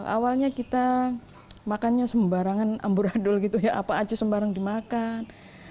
awalnya kita makannya sembarangan amburadul gitu ya apa aja sembarang dimakan